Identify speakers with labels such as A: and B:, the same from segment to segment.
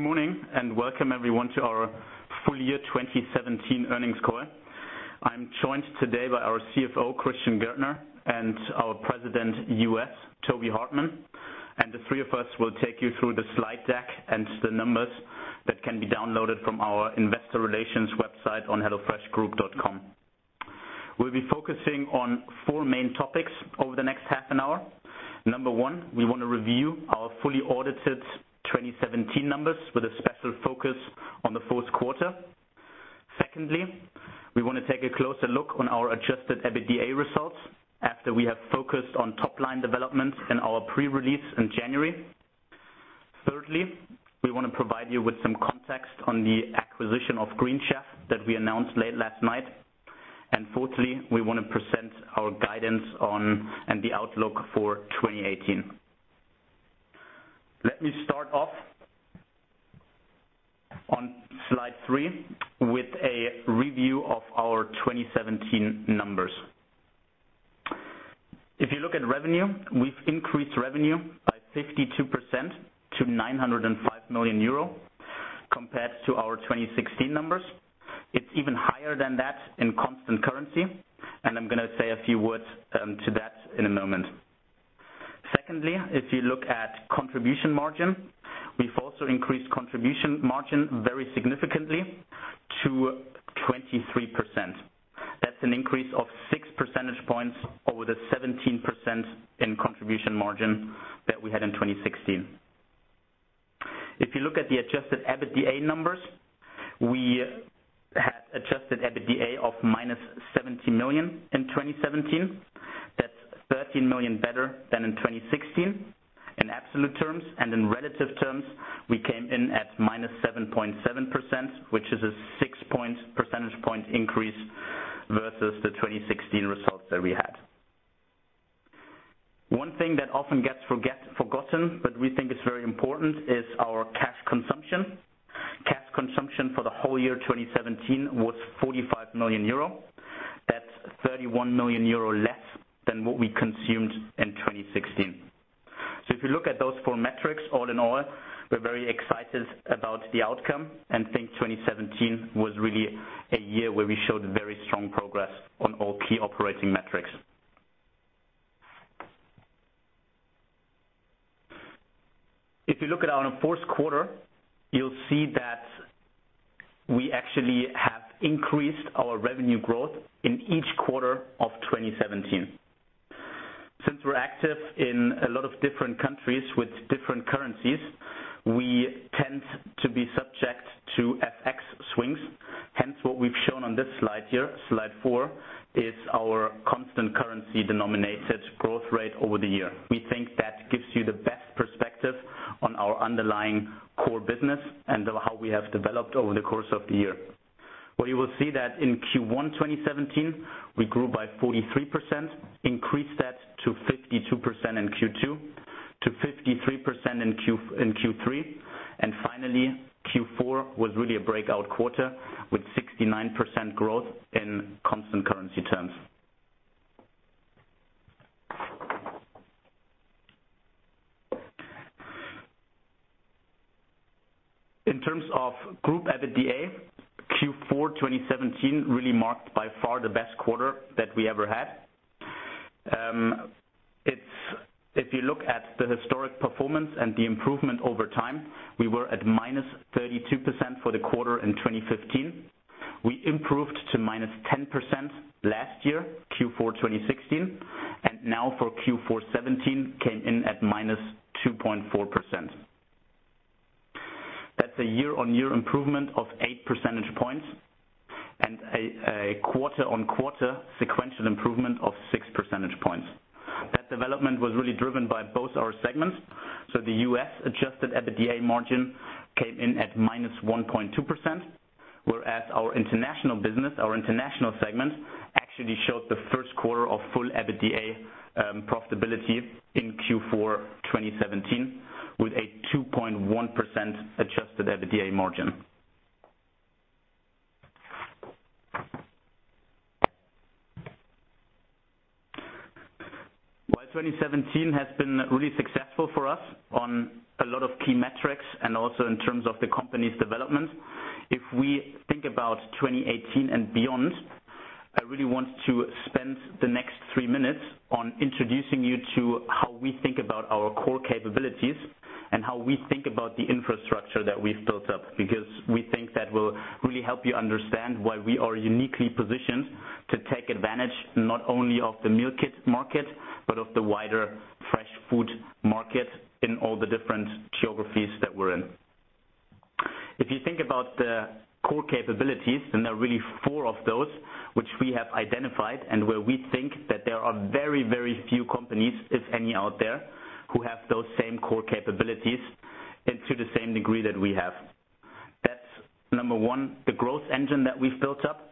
A: Good morning, welcome everyone to our full year 2017 earnings call. I'm joined today by our CFO, Christian Gärtner, and our President U.S., Tobi Hartmann. The three of us will take you through the slide deck and the numbers that can be downloaded from our investor relations website on hellofreshgroup.com. We'll be focusing on four main topics over the next half an hour. Number one, we wanna review our fully audited 2017 numbers with a special focus on the fourth quarter. Secondly, we wanna take a closer look on our adjusted EBITDA results after we have focused on top line developments in our pre-release in January. Thirdly, we wanna provide you with some context on the acquisition of Green Chef that we announced late last night. Fourthly, we wanna present our guidance on, and the outlook for 2018. Let me start off on slide 3 with a review of our 2017 numbers. If you look at revenue, we've increased revenue by 52% to 905 million euro compared to our 2016 numbers. It's even higher than that in constant currency, I'm gonna say a few words to that in a moment. Secondly, if you look at contribution margin, we've also increased contribution margin very significantly to 23%. That's an increase of 6 percentage points over the 17% in contribution margin that we had in 2016. If you look at the adjusted EBITDA numbers, we had adjusted EBITDA of minus 70 million in 2017. That's 13 million better than in 2016 in absolute terms. In relative terms, we came in at -7.7%, which is a 6 percentage point increase versus the 2016 results that we had. One thing that often gets forgotten, but we think is very important, is our cash consumption. Cash consumption for the whole year 2017 was 45 million euro. That's 31 million euro less than what we consumed in 2016. If you look at those four metrics all in all, we're very excited about the outcome and think 2017 was really a year where we showed very strong progress on all key operating metrics. If you look at on a fourth quarter, you'll see that we actually have increased our revenue growth in each quarter of 2017. Since we're active in a lot of different countries with different currencies, we tend to be subject to FX swings. What we've shown on this slide here, slide 4, is our constant currency denominated growth rate over the year. We think that gives you the best perspective on our underlying core business and how we have developed over the course of the year. What you will see that in Q1 2017, we grew by 43%, increased that to 52% in Q2, to 53% in Q3. Finally, Q4 was really a breakout quarter with 69% growth in constant currency terms. In terms of group EBITDA, Q4 2017 really marked by far the best quarter that we ever had. If you look at the historic performance and the improvement over time, we were at -32% for the quarter in 2015. We improved to -10% last year, Q4 2016, and now for Q4 2017 came in at -2.4%. That's a year-over-year improvement of 8 percentage points and a quarter-over-quarter sequential improvement of 6 percentage points. That development was really driven by both our segments. The U.S. adjusted EBITDA margin came in at -1.2%, whereas our international business, our international segment actually showed the first quarter of full EBITDA profitability in Q4 2017, with a 2.1% adjusted EBITDA margin. While 2017 has been really successful for us on a lot of key metrics and also in terms of the company's development, if we think about 2018 and beyond, I really want to spend the next three minutes on introducing you to how we think about our core capabilities and how we think about the infrastructure that we've built up. We think that will really help you understand why we are uniquely positioned to take advantage, not only of the Meal Kits market, but of the wider fresh food market in all the different geographies that we're in. If you think about the core capabilities, there are really four of those which we have identified and where we think that there are very, very few companies, if any, out there who have those same core capabilities and to the same degree that we have. That's number one, the growth engine that we've built up.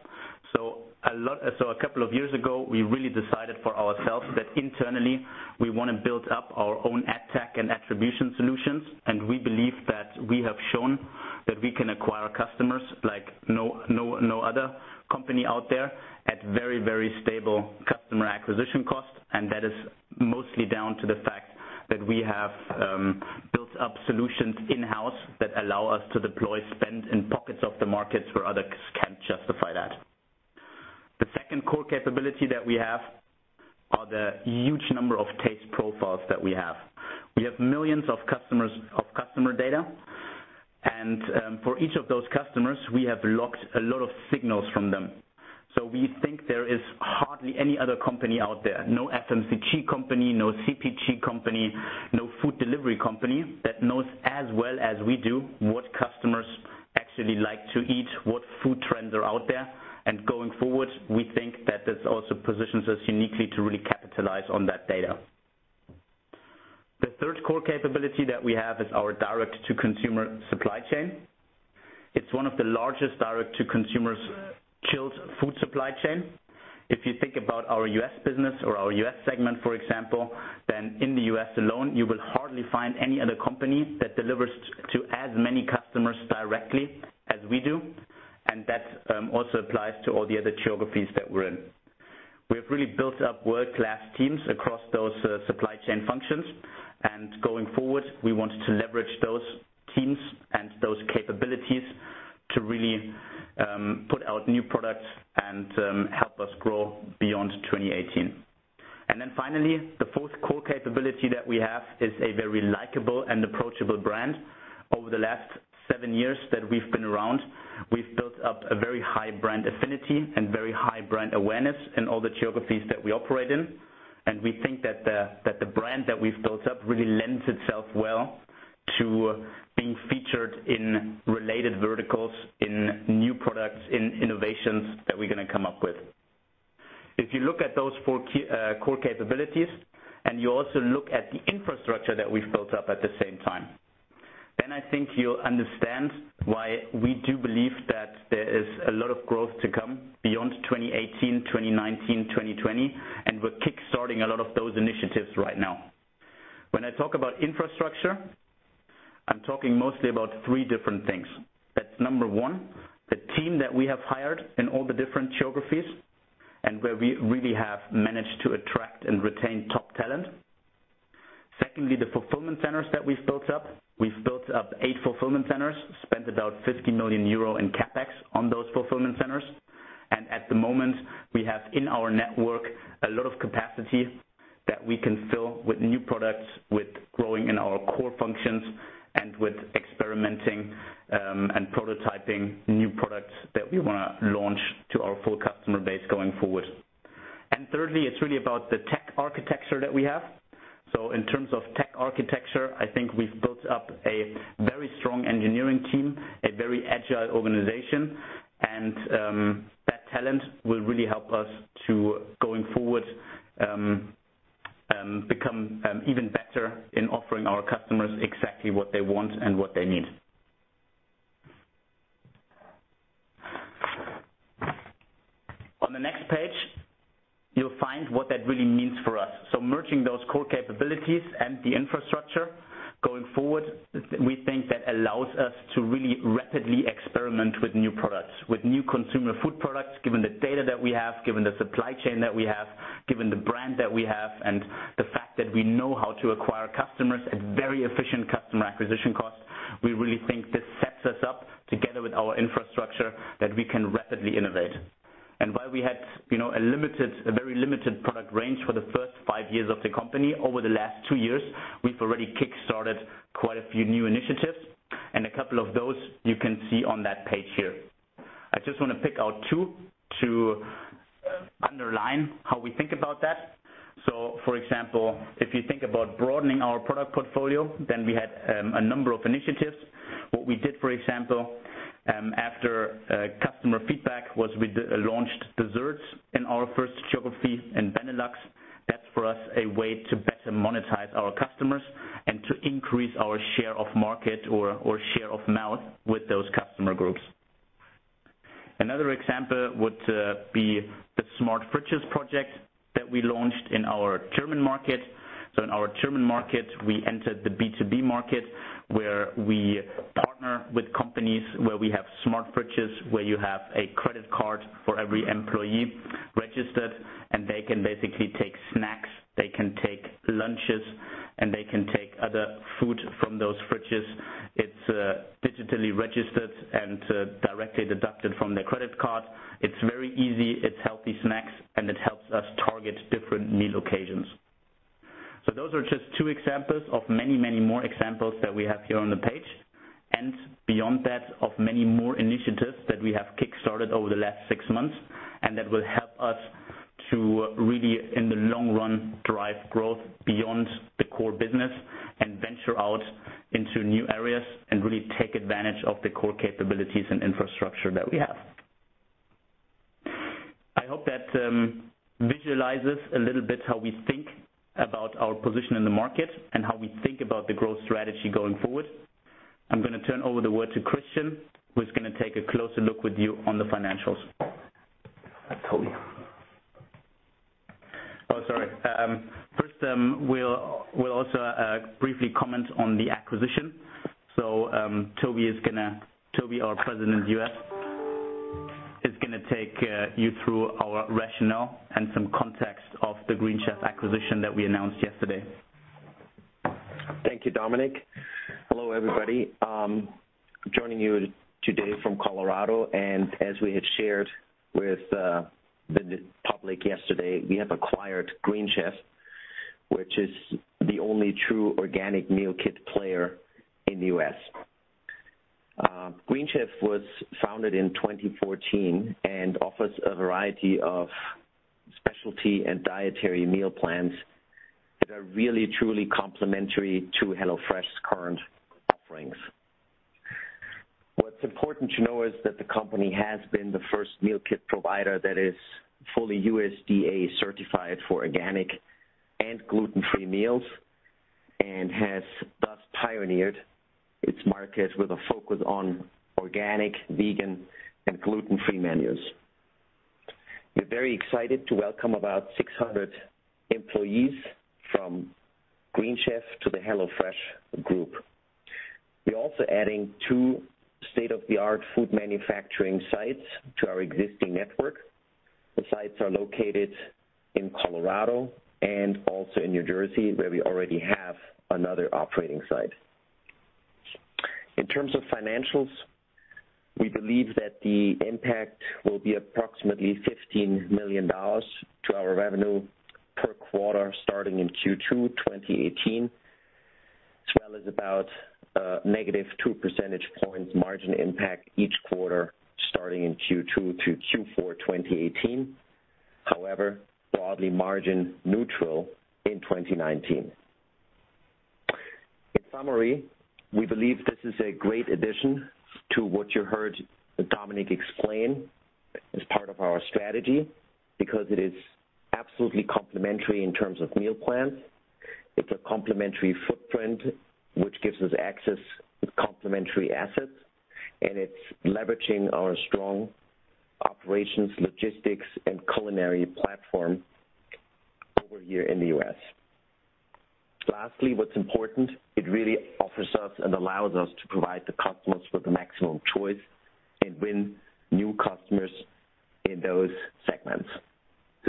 A: A couple of years ago, we really decided for ourselves that internally we want to build up our own ad tech and attribution solutions, and we believe that we have shown that we can acquire customers like no other company out there at very stable customer acquisition costs. That is mostly down to the fact that we have built up solutions in-house that allow us to deploy spend in pockets of the markets where others can't justify that. The second core capability that we have are the huge number of taste profiles that we have. We have millions of customer data, and for each of those customers, we have logged a lot of signals from them. We think there is hardly any other company out there, no FMCG company, no CPG company, no food delivery company that knows as well as we do what customers actually like to eat, what food trends are out there. Going forward, we think that this also positions us uniquely to really capitalize on that data. The third core capability that we have is our direct-to-consumer supply chain. It's one of the largest direct-to-consumer chilled food supply chain. If you think about our U.S. business or our U.S. segment, for example, in the U.S. alone, you will hardly find any other company that delivers to as many customers directly as we do, and that also applies to all the other geographies that we're in. We have really built up world-class teams across those supply chain functions. Going forward, we want to leverage those teams and those capabilities to really put out new products and help us grow beyond 2018. Then finally, the fourth core capability that we have is a very likable and approachable brand. Over the last seven years that we've been around, we've built up a very high brand affinity and very high brand awareness in all the geographies that we operate in. We think that the brand that we've built up really lends itself well to being featured in related verticals, in new products, in innovations that we're gonna come up with. If you look at those four core capabilities, and you also look at the infrastructure that we've built up at the same time, then I think you'll understand why we do believe that there is a lot of growth to come beyond 2018, 2019, 2020, and we're kickstarting a lot of those initiatives right now. When I talk about infrastructure, I'm talking mostly about three different things. That's number one, the team that we have hired in all the different geographies and where we really have managed to attract and retain top talent. Secondly, the fulfillment centers that we've built up. We've built up 8 fulfillment centers, spent about 50 million euro in CapEx on those fulfillment centers. At the moment, we have in our network a lot of capacity that we can fill with new products, with growing in our core functions, and with experimenting and prototyping new products that we wanna launch to our full customer base going forward. Thirdly, it's really about the tech architecture that we have. In terms of tech architecture, I think we've built up a very strong engineering team, a very agile organization, and that talent will really help us to going forward become even better in offering our customers exactly what they want and what they need. On the next page, you'll find what that really means for us. Merging those core capabilities and the infrastructure going forward, we think that allows us to really rapidly experiment with new products. With new consumer food products, given the data that we have, given the supply chain that we have, given the brand that we have, and the fact that we know how to acquire customers at very efficient customer acquisition costs, we really think this sets us up together with our infrastructure that we can rapidly innovate. While we had, you know, a very limited product range for the first five years of the company, over the last two years, we've already kickstarted quite a few new initiatives, and a couple of those you can see on that page here. I just want to pick out two to underline how we think about that. For example, if you think about broadening our product portfolio, then we had a number of initiatives. What we did, for example, after customer feedback, was we launched desserts in our first geography in Benelux. That's for us a way to better monetize our customers and to increase our share of market or share of mouth with those customer groups. Another example would be the smart fridges project that we launched in our German market. In our German market, we entered the B2B market, where we partner with companies where we have smart fridges, where you have a credit card for every employee registered, and they can basically take snacks, they can take lunches, and they can take other food from those fridges. It's digitally registered and directly deducted from their credit card. It's very easy, it's healthy snacks, and it helps us target different meal occasions. Those are just two examples of many, many more examples that we have here on the page. Beyond that, of many more initiatives that we have kickstarted over the last six months and that will help us to really, in the long run, drive growth beyond the core business and venture out into new areas and really take advantage of the core capabilities and infrastructure that we have. I hope that visualizes a little bit how we think about our position in the market and how we think about the growth strategy going forward. I'm gonna turn over the word to Christian, who's gonna take a closer look with you on the financials. That's totally. First, we'll also briefly comment on the acquisition. Tobi, our President, U.S., is gonna take you through our rationale and some context of the Green Chef acquisition that we announced yesterday.
B: Thank you, Dominik. Hello, everybody. Joining you today from Colorado, and as we had shared with the public yesterday, we have acquired Green Chef, which is the only true organic meal kit player in the U.S. Green Chef was founded in 2014 and offers a variety of specialty and dietary meal plans that are really truly complementary to HelloFresh's current offerings. What's important to know is that the company has been the first meal kit provider that is fully USDA certified for organic and gluten-free meals, and has thus pioneered its market with a focus on organic, vegan, and gluten-free menus. We're very excited to welcome about 600 employees from Green Chef to the HelloFresh Group. We're also adding two state-of-the-art food manufacturing sites to our existing network. The sites are located in Colorado and also in New Jersey, where we already have another operating site. In terms of financials, we believe that the impact will be approximately $15 million to our revenue per quarter, starting in Q2 2018, as well as about negative 2 percentage points margin impact each quarter, starting in Q2 to Q4 2018. However, broadly margin neutral in 2019. In summary, we believe this is a great addition to what you heard Dominik explain as part of our strategy, because it is absolutely complementary in terms of meal plans. It's a complementary footprint, which gives us access to complementary assets, and it's leveraging our strong operations, logistics, and culinary platform over here in the U.S. Lastly, what's important, it really offers us and allows us to provide the customers with maximum choice and win new customers in those segments.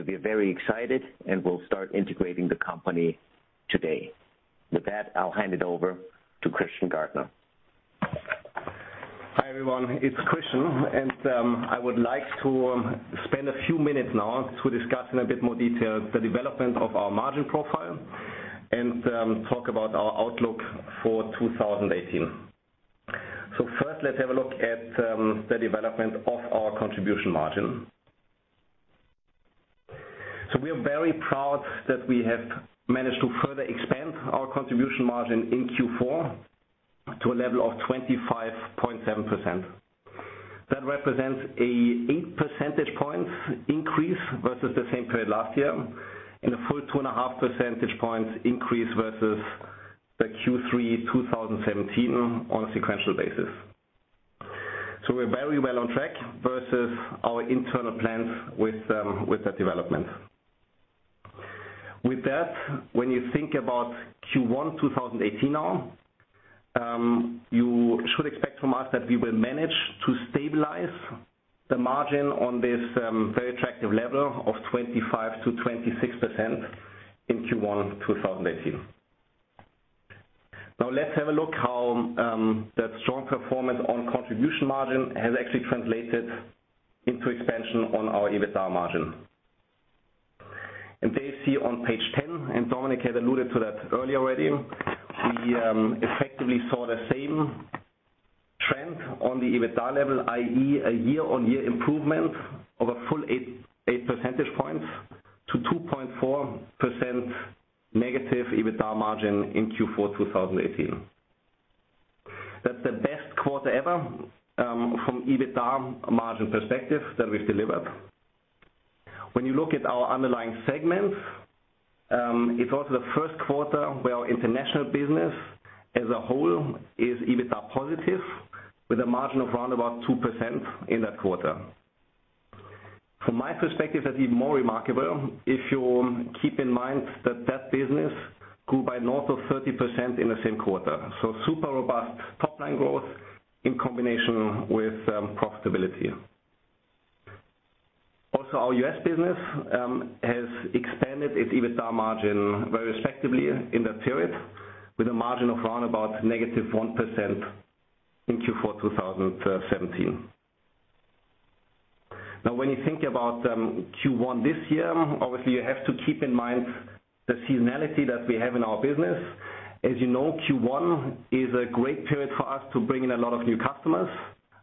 B: We are very excited, and we'll start integrating the company today. With that, I'll hand it over to Christian Gärtner.
C: Hi, everyone. It's Christian. I would like to spend a few minutes now to discuss in a bit more detail the development of our margin profile and talk about our outlook for 2018. First, let's have a look at the development of our contribution margin. We are very proud that we have managed to further expand our contribution margin in Q4 to a level of 25.7%. That represents a 8 percentage points increase versus the same period last year and a full 2.5 percentage points increase versus the Q3 2017 on a sequential basis. We're very well on track versus our internal plans with that development. With that, when you think about Q1 2018 now, you should expect from us that we will manage to stabilize the margin on this very attractive level of 25%-26% in Q1 2018. Now let's have a look how that strong performance on contribution margin has actually translated into expansion on our EBITDA margin. There you see on page 10, and Dominik has alluded to that earlier already. We effectively saw the same trend on the EBITDA level, i.e., a year-on-year improvement of a full 8 percentage points to 2.4% negative EBITDA margin in Q4 2018. That's the best quarter ever, from EBITDA margin perspective that we've delivered. You look at our underlying segments, it's also the first quarter where our international business as a whole is EBITDA positive with a margin of around 2% in that quarter. From my perspective, that's even more remarkable if you keep in mind that that business grew by north of 30% in the same quarter. Super robust top line growth in combination with profitability. Also, our U.S. business has expanded its EBITDA margin very respectively in that period with a margin of around negative 1% in Q4 2017. You think about Q1 this year, obviously you have to keep in mind the seasonality that we have in our business. As you know, Q1 is a great period for us to bring in a lot of new customers,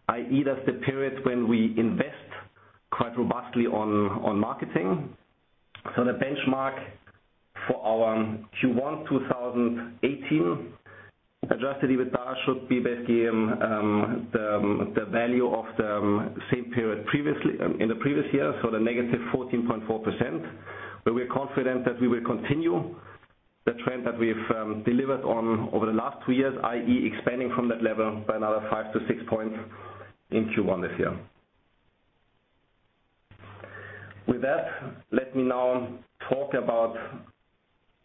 C: i.e., that's the period when we invest quite robustly on marketing. The benchmark for our Q1 2018 adjusted EBITDA should be basically the value of the same period in the previous year, the -14.4%. We're confident that we will continue the trend that we've delivered on over the last two years, i.e., expanding from that level by another 5 to 6 points in Q1 this year. With that, let me now talk about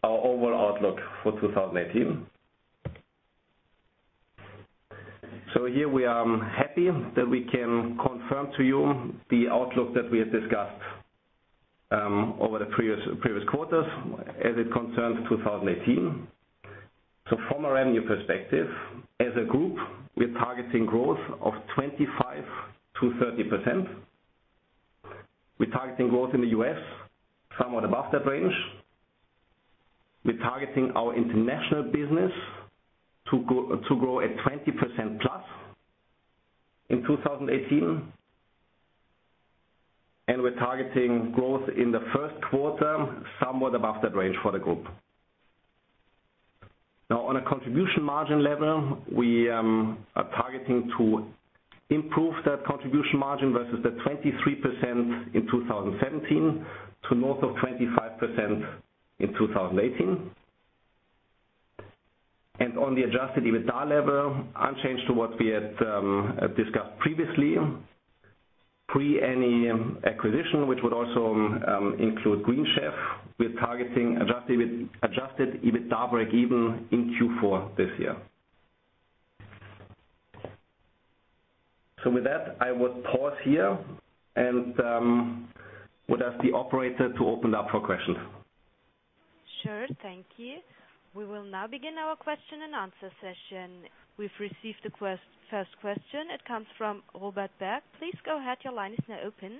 C: our overall outlook for 2018. Here we are happy that we can confirm to you the outlook that we have discussed over the previous quarters as it concerns 2018. From a revenue perspective, as a group, we're targeting growth of 25% to 30%. We're targeting growth in the US somewhat above that range. We're targeting our international business to grow at 20% plus in 2018. We're targeting growth in the first quarter somewhat above that range for the group. On a contribution margin level, we are targeting to improve that contribution margin versus the 23% in 2017 to north of 25% in 2018. On the adjusted EBITDA level, unchanged to what we had discussed previously. Pre any acquisition, which would also include Green Chef. We're targeting adjusted EBITDA break even in Q4 this year. With that, I would pause here and would ask the operator to open up for questions.
D: Sure. Thank you. We will now begin our question and answer session. We've received a first question. It comes from Robert Berg. Please go ahead. Your line is now open.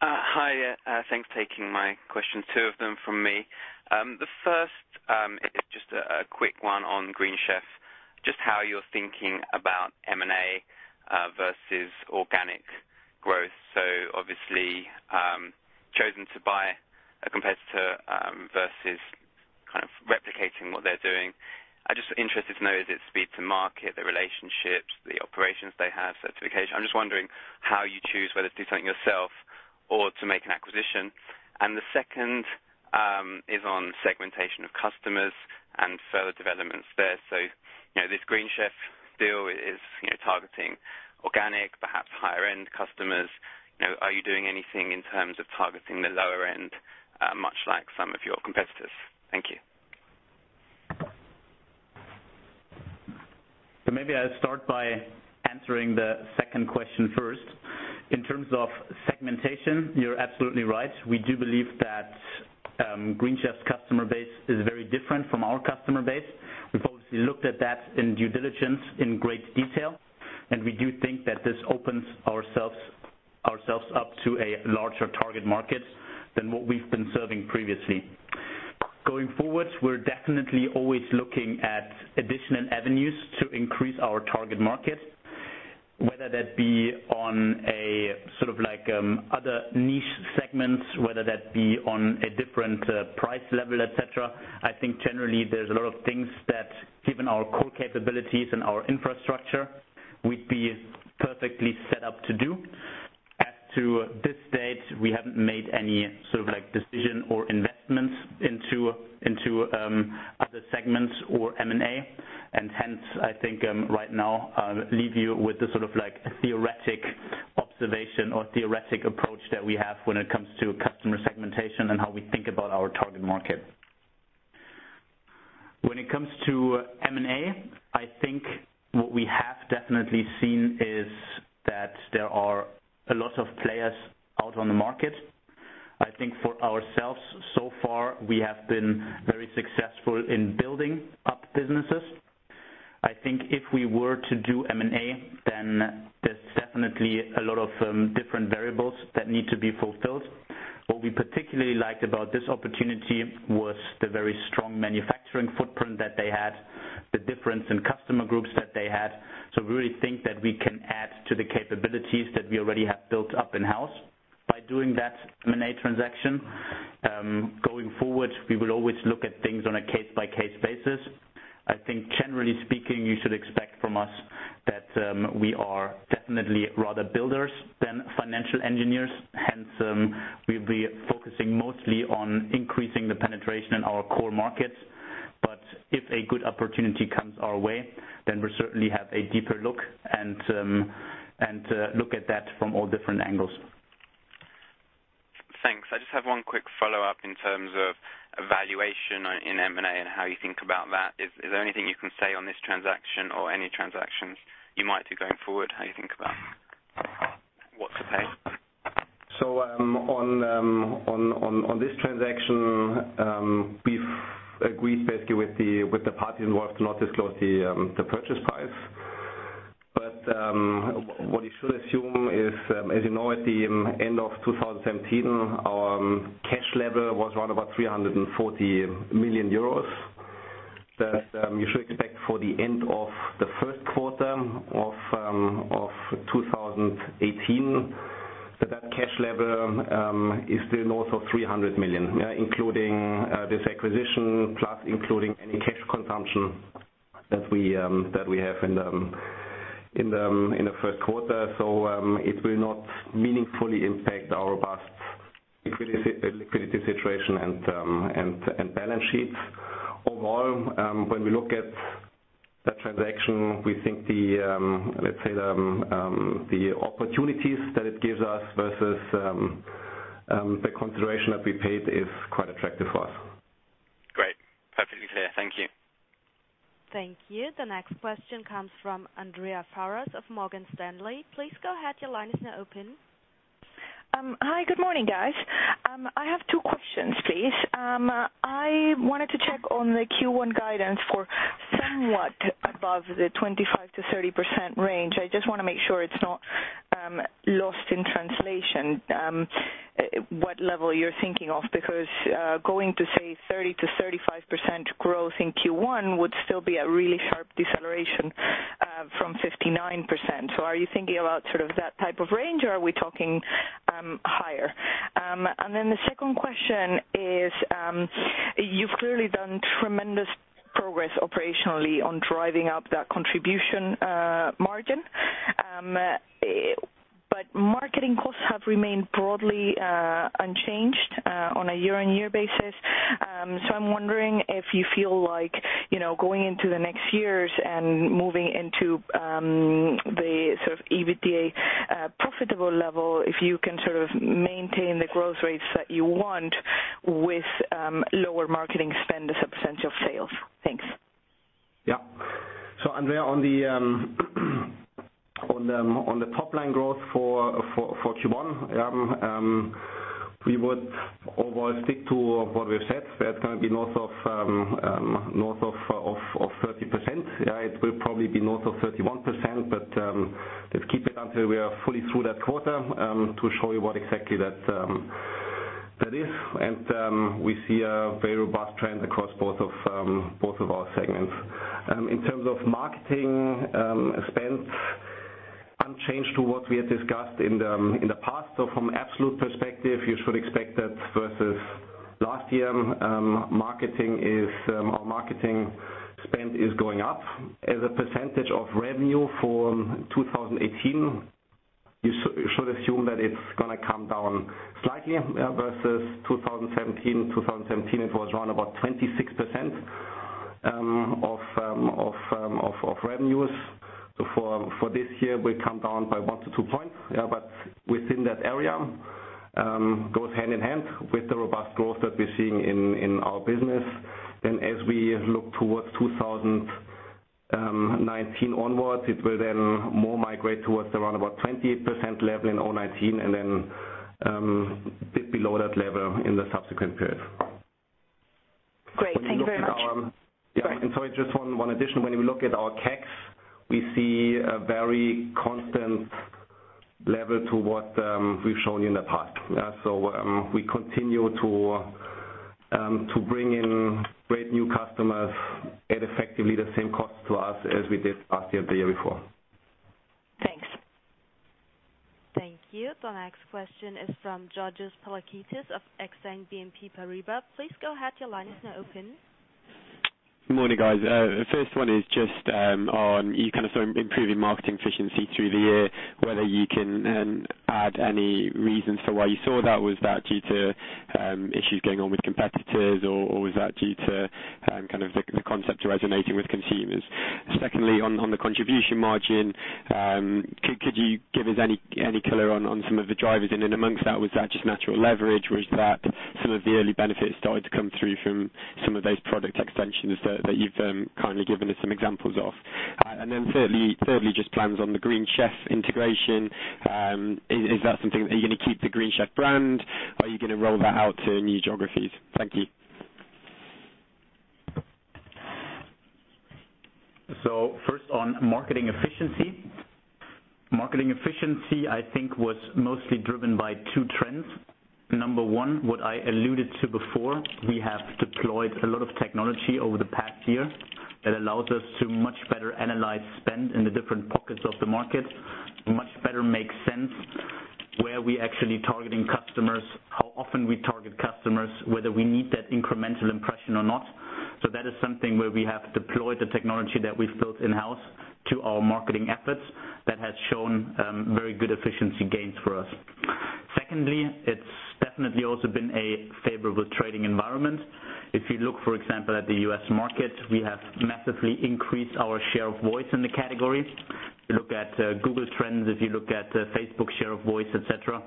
E: Hi. Thanks for taking my question. Two of them from me. The first is just a quick one on Green Chef, just how you're thinking about M&A versus organic growth. Obviously, chosen to buy a competitor versus kind of replicating what they're doing. I'm just interested to know is it speed to market, the relationships, the operations they have, certification? I'm just wondering how you choose whether to do something yourself or to make an acquisition. The second is on segmentation of customers and further developments there. You know, this Green Chef deal is, you know, targeting organic, perhaps higher-end customers. You know, are you doing anything in terms of targeting the lower end, much like some of your competitors? Thank you.
C: Maybe I'll start by answering the second question first. In terms of segmentation, you're absolutely right. We do believe that Green Chef's customer base is very different from our customer base. We've obviously looked at that in due diligence in great detail, and we do think that this opens ourselves up to a larger target market than what we've been serving previously. Going forward, we're definitely always looking at additional avenues to increase our target market, whether that be on a sort of like, other niche segments, whether that be on a different price level, et cetera. I think generally there's a lot of things that given our core capabilities and our infrastructure, we'd be perfectly set up to do. As to this date, we haven't made any sort of like decision or investment into other segments or M&A. Right now, I'll leave you with the sort of like theoretic observation or theoretic approach that we have when it comes to customer segmentation and how we think about our target market. When it comes to M&A, what we have definitely seen is that there are a lot of players out on the market. For ourselves, so far, we have been very successful in building up businesses. If we were to do M&A, there's definitely a lot of different variables that need to be fulfilled. What we particularly liked about this opportunity was the very strong manufacturing footprint that they had, the difference in customer groups that they had. We really think that we can add to the capabilities that we already have built up in-house by doing that M&A transaction. Going forward, we will always look at things on a case-by-case basis. I think generally speaking, you should expect from us that we are definitely rather builders than financial engineers, hence, we'll be focusing mostly on increasing the penetration in our core markets. If a good opportunity comes our way, then we certainly have a deeper look and look at that from all different angles.
E: Thanks. I just have one quick follow-up in terms of valuation in M&A and how you think about that. Is there anything you can say on this transaction or any transactions you might do going forward? How you think about what to pay?
C: On this transaction, we've agreed basically with the parties involved to not disclose the purchase price. What you should assume is, as you know at the end of 2017, our cash level was around about 340 million euros. You should expect for the end of the first quarter of 2018, that cash level is still north of 300 million, including this acquisition, plus including any cash consumption that we have in the first quarter. It will not meaningfully impact our liquidity situation and balance sheets. Overall, when we look at the transaction, we think the, let's say the opportunities that it gives us versus the consideration that we paid is quite attractive for us.
E: Great. Perfectly clear. Thank you.
D: Thank you. The next question comes from Andrea Ferraz of Morgan Stanley. Please go ahead. Your line is now open.
F: Hi, good morning, guys. I have two questions, please. I wanted to check on the Q1 guidance for somewhat above the 25%-30% range. I just wanna make sure it's not lost in translation, what level you're thinking of, because going to, say, 30%-35% growth in Q1 would still be a really sharp deceleration from 59%. Are you thinking about sort of that type of range, or are we talking higher? And then the second question is, you've clearly done tremendous progress operationally on driving up that contribution margin. But marketing costs have remained broadly unchanged on a year-on-year basis. I'm wondering if you feel like, you know, going into the next years and moving into the sort of EBITDA profitable level, if you can sort of maintain the growth rates that you want with lower marketing spend as a percentage of sales? Thanks.
C: Andrea, on the top-line growth for Q1, we would overall stick to what we've said. That's gonna be north of 30%. It will probably be north of 31%, let's keep it until we are fully through that quarter to show you what exactly that is. We see a very robust trend across both of our segments. In terms of marketing, spends unchanged to what we had discussed in the past. From absolute perspective, you should expect that versus last year, our marketing spend is going up. As a percentage of revenue for 2018, you should assume that it's gonna come down slightly versus 2017. 2017, it was around about 26% of revenues. For this year, we come down by 1 to 2 points. Within that area, goes hand in hand with the robust growth that we're seeing in our business. As we look towards 2019 onwards, it will then more migrate towards around about 20% level in 2019 and then bit below that level in the subsequent period.
F: Great. Thank you very much.
C: Sorry, just one addition. When we look at our CACs, we see a very constant level to what we've shown you in the past. We continue to bring in great new customers at effectively the same cost to us as we did last year, the year before.
F: Thanks.
D: Thank you. The next question is from Georgios Pilakoutas of Exane BNP Paribas. Please go ahead.
G: Morning, guys. First one is just on you kind of saw improving marketing efficiency through the year, whether you can add any reasons to why you saw that. Was that due to issues going on with competitors or was that due to kind of the concept resonating with consumers? Secondly, on the contribution margin, could you give us any color on some of the drivers? Amongst that, was that just natural leverage? Was that some of the early benefits starting to come through from some of those product extensions that you've kindly given us some examples of? Thirdly, just plans on the Green Chef integration. Is that something that you're gonna keep the Green Chef brand? Are you gonna roll that out to new geographies? Thank you.
A: First on marketing efficiency. Marketing efficiency, I think, was mostly driven by two trends. Number 1, what I alluded to before, we have deployed a lot of technology over the past year that allows us to much better analyze spend in the different pockets of the market, much better make sense where we actually targeting customers, how often we target customers, whether we need that incremental impression or not. That is something where we have deployed the technology that we've built in-house to our marketing efforts that has shown very good efficiency gains for us. Secondly, it's definitely also been a favorable trading environment. If you look, for example, at the U.S. market, we have massively increased our share of voice in the category. If you look at Google Trends, if you look at Facebook share of voice, et cetera,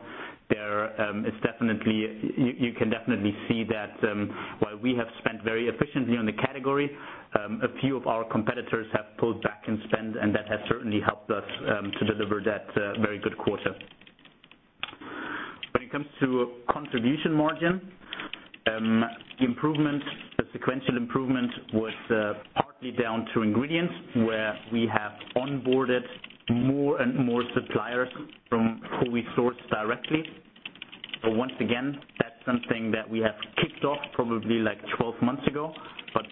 A: there is definitely, you can definitely see that while we have spent very efficiently on the category, a few of our competitors have pulled back in spend, and that has certainly helped us to deliver that very good quarter. When it comes to contribution margin, the improvement, the sequential improvement was partly down to ingredients where we have onboarded more and more suppliers from who we source directly. Once again, that's something that we have kicked off probably like 12 months ago.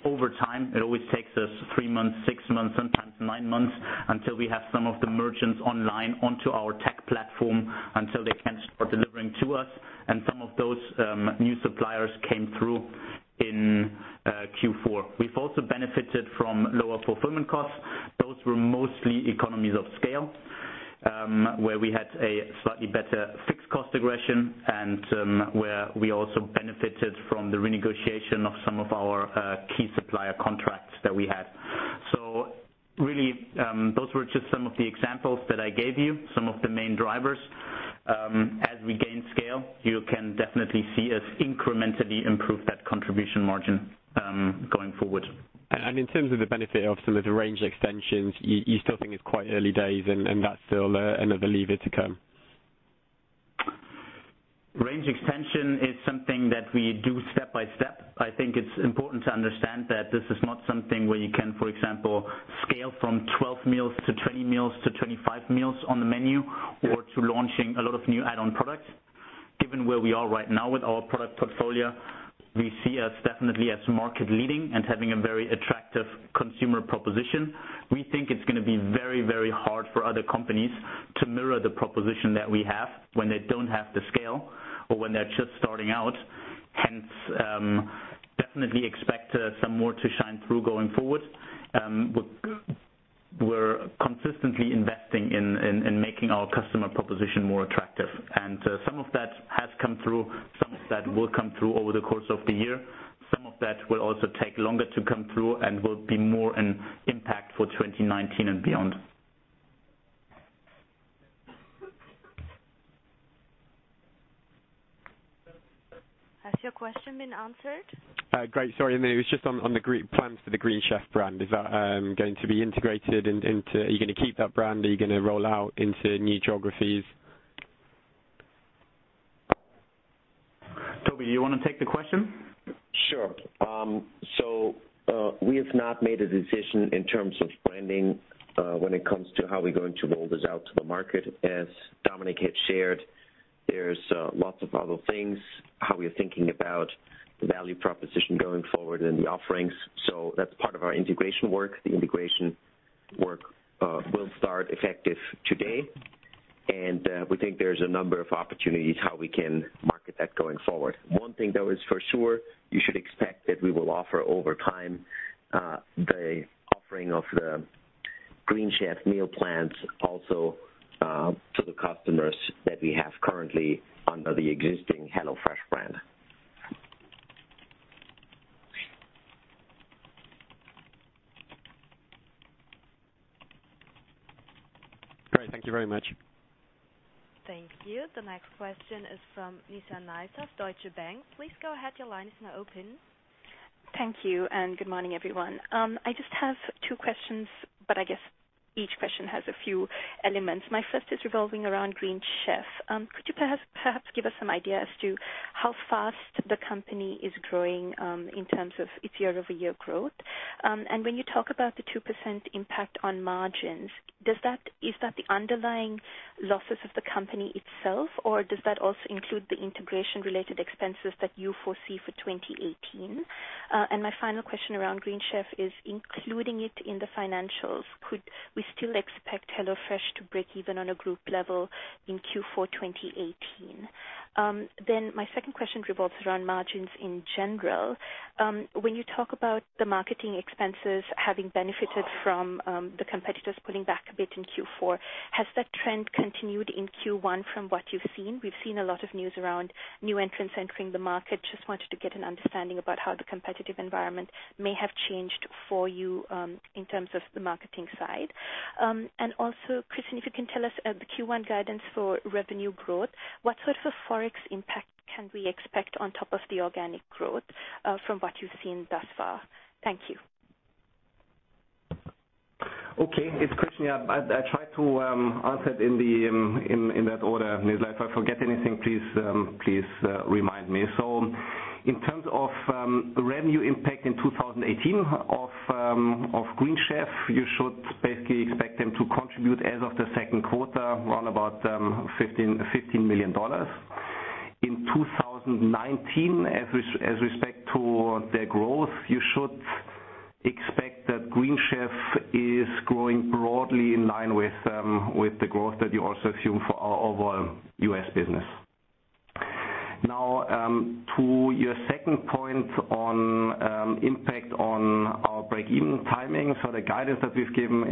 A: Over time, it always takes us three months, six months, sometimes nine months until we have some of the merchants online onto our tech platform until they can start delivering to us. Some of those new suppliers came through in Q4. We've also benefited from lower fulfillment costs Those were mostly economies of scale, where we had a slightly better fixed cost absorption and where we also benefited from the renegotiation of some of our key supplier contracts that we had. Really, those were just some of the examples that I gave you, some of the main drivers. As we gain scale, you can definitely see us incrementally improve that contribution margin going forward.
G: In terms of the benefit of some of the range extensions, you still think it's quite early days and that's still another lever to come?
A: Range extension is something that we do step by step. I think it's important to understand that this is not something where you can, for example, scale from 12 meals to 20 meals to 25 meals on the menu or to launching a lot of new add-on products. Given where we are right now with our product portfolio, we see us definitely as market leading and having a very attractive consumer proposition. We think it's gonna be very, very hard for other companies to mirror the proposition that we have when they don't have the scale or when they're just starting out. Definitely expect some more to shine through going forward. We're consistently investing in making our customer proposition more attractive. Some of that has come through, some of that will come through over the course of the year. Some of that will also take longer to come through and will be more an impact for 2019 and beyond.
D: Has your question been answered?
G: I mean, it was just on the Green Chef brand. Is that going to be integrated into? Are you going to keep that brand? Are you going to roll out into new geographies?
A: Tobi, you wanna take the question?
B: Sure. We have not made a decision in terms of branding when it comes to how we're going to roll this out to the market. As Dominik had shared, there's lots of other things, how we are thinking about the value proposition going forward and the offerings. That's part of our integration work. The integration work will start effective today. We think there's a number of opportunities how we can market that going forward. One thing that was for sure, you should expect that we will offer over time the offering of the Green Chef meal plans also to the customers that we have currently under the existing HelloFresh brand.
G: Great. Thank you very much.
D: Thank you. The next question is from Nizla Naizer of Deutsche Bank. Please go ahead. Your line is now open.
H: Thank you. Good morning, everyone. I just have two questions. I guess each question has a few elements. My first is revolving around Green Chef. Could you perhaps give us some idea as to how fast the company is growing in terms of its year-over-year growth? When you talk about the 2% impact on margins, is that the underlying losses of the company itself, or does that also include the integration related expenses that you foresee for 2018? My final question around Green Chef is including it in the financials, could we still expect HelloFresh to break even on a group level in Q4 2018? My second question revolves around margins in general. When you talk about the marketing expenses having benefited from the competitors pulling back a bit in Q4, has that trend continued in Q1 from what you've seen? We've seen a lot of news around new entrants entering the market. Just wanted to get an understanding about how the competitive environment may have changed for you in terms of the marketing side. Also, Christian, if you can tell us the Q1 guidance for revenue growth, what sort of a Forex impact can we expect on top of the organic growth from what you've seen thus far? Thank you.
C: It's Christian. I tried to answer it in that order. Nizla, if I forget anything, please remind me. In terms of revenue impact in 2018 of Green Chef, you should basically expect them to contribute as of the second quarter around about $15 million. In 2019, as respect to their growth, you should expect that Green Chef is growing broadly in line with the growth that you also assume for our overall U.S. business. To your second point on impact on our break-even timing. The guidance that we've given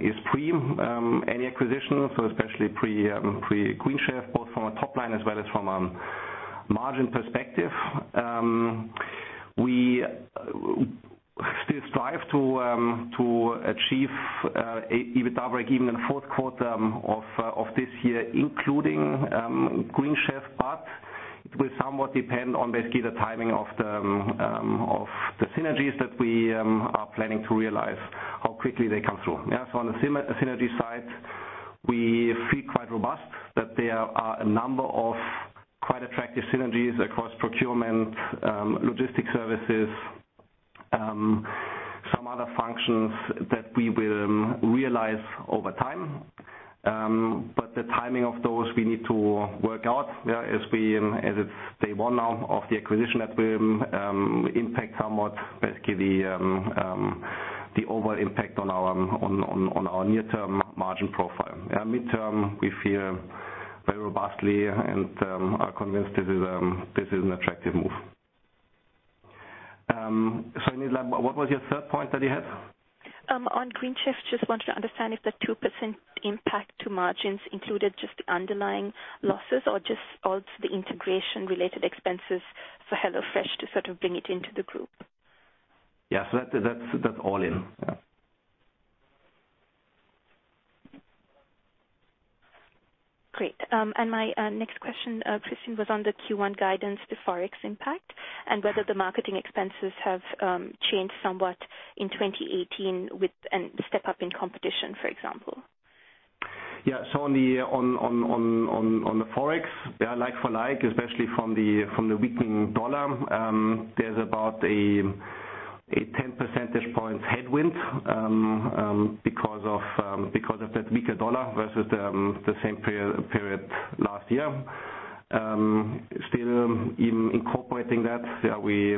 C: is pre any acquisition, especially pre-Green Chef, both from a top line as well as from a margin perspective. We still strive to achieve EBITDA break-even in the fourth quarter of this year, including Green Chef, but it will somewhat depend on basically the timing of the synergies that we are planning to realize how quickly they come through. On the synergy side, we feel quite robust that there are a number of quite attractive synergies across procurement, logistic services, some other functions that we will realize over time. The timing of those we need to work out as we, as it's day one now of the acquisition that will impact somewhat basically the overall impact on our near-term margin profile. Midterm, we feel very robustly and are convinced this is an attractive move. Sorry, Nizla, what was your third point that you had?
H: On Green Chef, just wanted to understand if the 2% impact to margins included just the underlying losses or just also the integration related expenses for HelloFresh to sort of bring it into the group.
C: Yeah. That's all in. Yeah.
H: Great. My next question, Christian, was on the Q1 guidance, the Forex impact and whether the marketing expenses have changed somewhat in 2018 with a step up in competition, for example.
C: On the Forex, like for like, especially from the weakening dollar, there's about a 10 percentage points headwind because of that weaker dollar versus the same period last year. Still incorporating that, we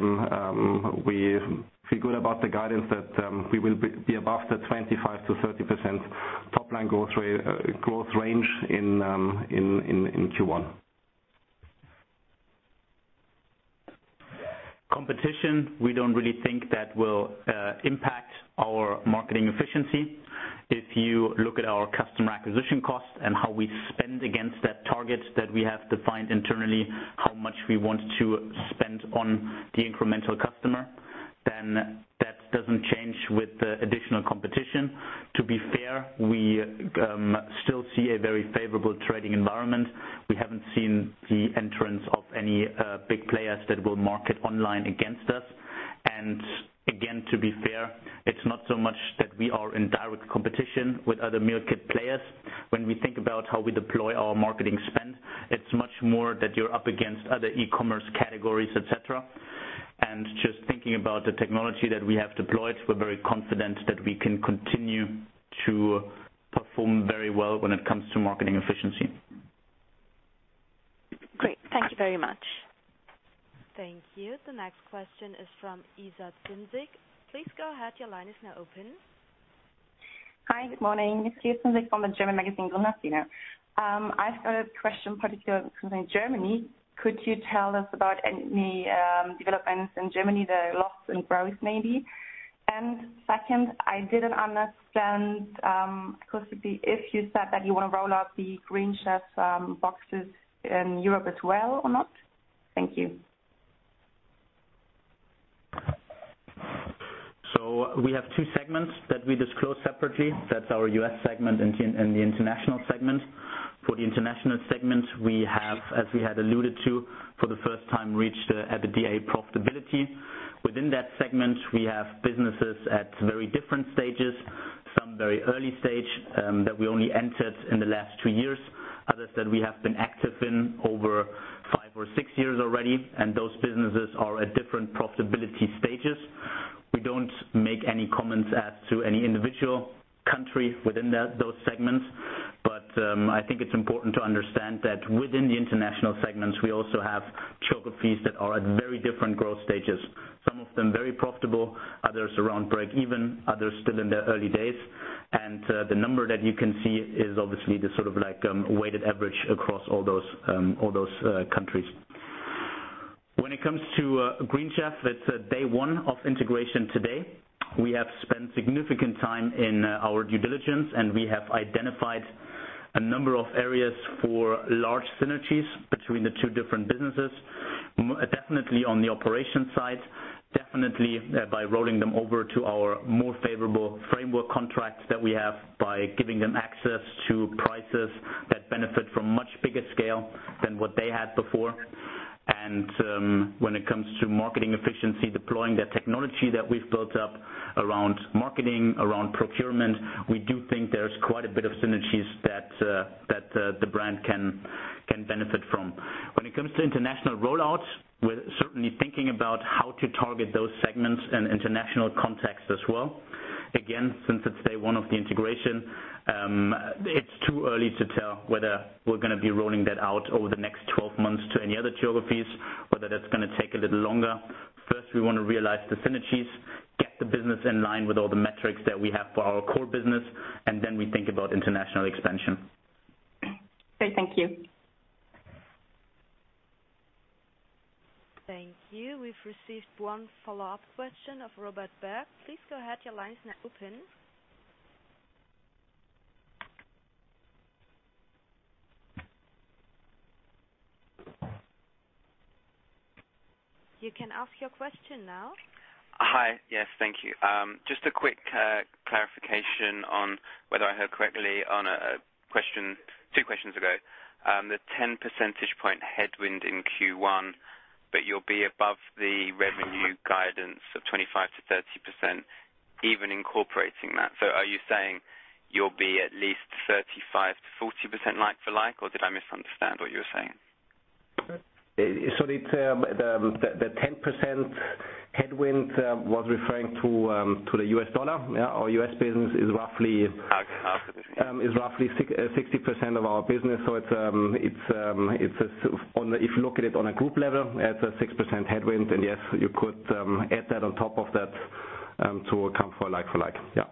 C: feel good about the guidance that we will be above the 25%-30% top-line growth range in Q1.
A: Competition, we don't really think that will impact our marketing efficiency. If you look at our customer acquisition costs and how we spend against that target that we have defined internally, how much we want to spend on the incremental customer, then that doesn't change with the additional competition. To be fair, we still see a very favorable trading environment. We haven't seen the entrance of any big players that will market online against us. Again, to be fair, it's not so much that we are in direct competition with other meal kit players. When we think about how we deploy our marketing spend, it's much more that you're up against other e-commerce categories, et cetera. Just thinking about the technology that we have deployed, we're very confident that we can continue to perform very well when it comes to marketing efficiency.
H: Great. Thank you very much.
D: Thank you. The next question is from [Isa Zimzig]. Please go ahead.
I: Hi, good morning. It's Isa [Zimzig from the German magazine, Gründerszene]. I've got a question particular concerning Germany. Could you tell us about any developments in Germany, the loss and growth maybe? Second, I didn't understand, Christian, if you said that you wanna roll out the Green Chef boxes in Europe as well or not? Thank you.
A: We have two segments that we disclose separately. That's our U.S. segment and the international segment. For the international segment, we have, as we had alluded to, for the first time, reached EBITDA profitability. Within that segment, we have businesses at very different stages. Some very early stage that we only entered in the last two years. Others that we have been active in over five or six years already, and those businesses are at different profitability stages. We don't make any comments as to any individual country within those segments. I think it's important to understand that within the international segments, we also have geographies that are at very different growth stages. Some of them very profitable, others around break even, others still in their early days. The number that you can see is obviously the sort of like weighted average across all those, all those countries. When it comes to Green Chef, it's day one of integration today. We have spent significant time in our due diligence, and we have identified a number of areas for large synergies between the two different businesses. Definitely on the operation side. Definitely, by rolling them over to our more favorable framework contracts that we have by giving them access to prices that benefit from much bigger scale than what they had before. When it comes to marketing efficiency, deploying the technology that we've built up around marketing, around procurement, we do think there's quite a bit of synergies that the brand can benefit from. When it comes to international rollouts, we're certainly thinking about how to target those segments in international context as well. Again, since it's day one of the integration, it's too early to tell whether we're gonna be rolling that out over the next 12 months to any other geographies or whether that's gonna take a little longer. First, we wanna realize the synergies, get the business in line with all the metrics that we have for our core business, and then we think about international expansion.
I: Great. Thank you.
D: Thank you. We've received one follow-up question of Robert Berg. Please go ahead. Your line is now open. You can ask your question now.
E: Hi. Yes. Thank you. just a quick clarification on whether I heard correctly on two questions ago. The 10 percentage point headwind in Q1, but you'll be above the revenue guidance of 25%-30% even incorporating that. Are you saying you'll be at least 35%-40% like for like, or did I misunderstand what you were saying?
C: The 10% headwind, was referring to the US dollar. Yeah, our U.S. business is roughly.
E: Okay. Copy.
C: is roughly 60% of our business. If you look at it on a group level, it's a 6% headwind. Yes, you could add that on top of that to come for like for like. Yeah.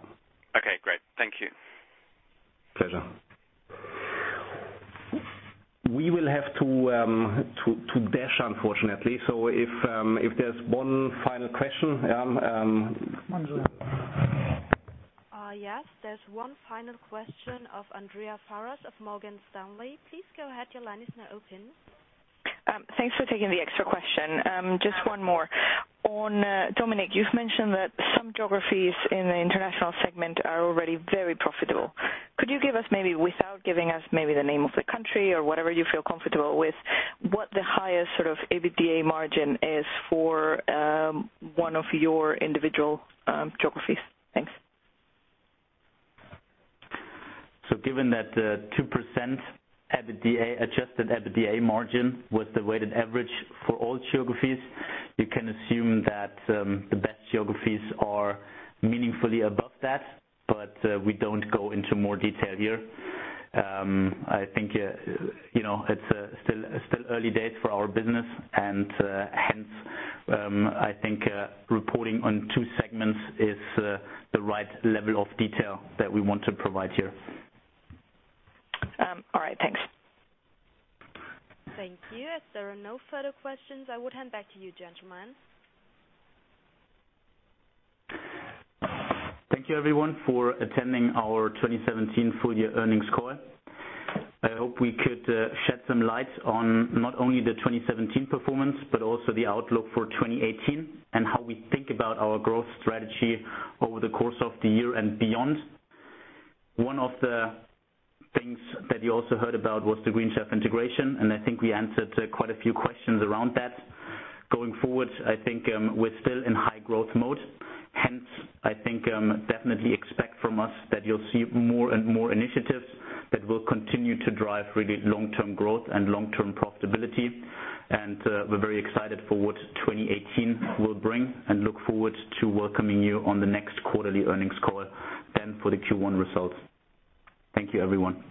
C: We'll have to dash unfortunately. If there's one final question.
D: yes, there's one final question of Andrea Ferraz of Morgan Stanley. Please go ahead, your line is now open
F: Thanks for taking the extra question. Just one more. Dominik, you've mentioned that some geographies in the international segment are already very profitable. Could you give us maybe, without giving us maybe the name of the country or whatever you feel comfortable with, what the highest sort of EBITDA margin is for one of your individual geographies? Thanks.
A: Given that the 2% EBITDA, adjusted EBITDA margin was the weighted average for all geographies, you can assume that the best geographies are meaningfully above that, but we don't go into more detail here. I think, you know, it's still early days for our business and hence, I think reporting on two segments is the right level of detail that we want to provide here.
F: All right, thanks.
D: Thank you. As there are no further questions, I would hand back to you, gentlemen.
A: Thank you everyone for attending our 2017 full year earnings call. I hope we could shed some light on not only the 2017 performance, but also the outlook for 2018 and how we think about our growth strategy over the course of the year and beyond. One of the things that you also heard about was the Green Chef integration. I think we answered quite a few questions around that. Going forward, I think, we're still in high growth mode. I think, definitely expect from us that you'll see more and more initiatives that will continue to drive really long-term growth and long-term profitability. We're very excited for what 2018 will bring and look forward to welcoming you on the next quarterly earnings call then for the Q1 results. Thank you, everyone.